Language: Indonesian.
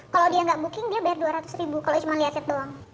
kalau dia gak booking dia bayar dua ratus kalau dia cuma liat liat doang